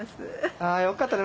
あよかった。